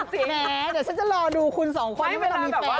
แต่เดี๋ยวฉันจะรอดูคุณสองเข้าให้ที่มีแฟน